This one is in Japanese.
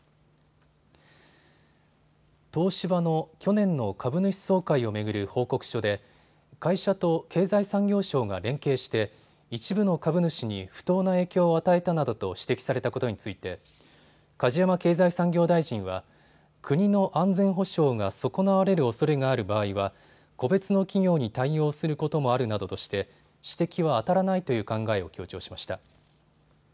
東芝の去年の株主総会を巡る報告書で会社と経済産業省が連携して一部の株主に不当な影響を与えたなどと指摘されたことについて梶山経済産業大臣は国の安全保障が損なわれるおそれがある場合は個別の企業に対応することもあるなどとして指摘はあたらないという考えを強調しました。